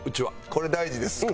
これ大事ですか？